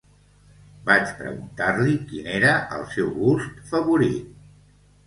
Vaig preguntar-li quin era el seu gust favorit.